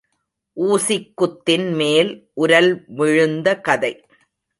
Vucic குத்தின்மேல் உரல் விழுந்த கதை.